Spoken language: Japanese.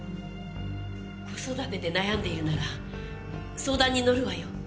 子育てで悩んでいるなら相談に乗るわよ。